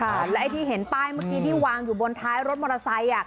แล้วไอ้ที่เห็นป้ายเมื่อกี้ที่วางอยู่บนท้ายรถมอเตอร์ไซค์